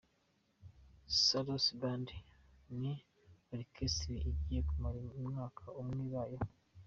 Salusi Bandi ni Orikeresitere igiye kumara umwaka umwe ibayeho.